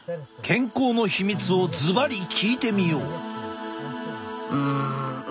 健康のヒミツをずばり聞いてみよう。